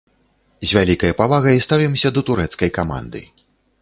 З вялікай павагай ставімся да турэцкай каманды.